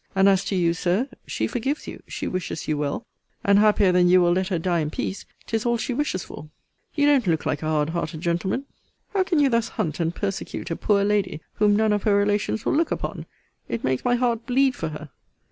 And, as to you, Sir, she forgives you: she wishes you well; and happier than you will let her die in peace? 'tis all she wishes for. You don't look like a hard hearted gentleman! How can you thus hunt and persecute a poor lady, whom none of her relations will look upon? It makes my heart bleed for her.